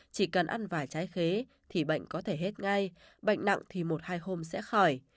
chỉ cần ăn vài trái khế thì bệnh có thể hết ngay bệnh nặng thì một hai hôm sẽ khỏi